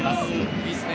いいですね。